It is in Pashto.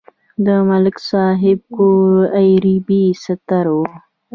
د ملک صاحب کور ایر بېستره و.